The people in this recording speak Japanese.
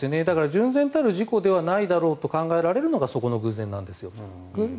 純然たる事故ではないだろうと考えられるのがそこなんです。